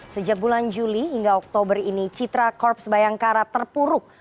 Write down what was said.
sejak bulan juli hingga oktober ini citra korps bayangkara terpuruk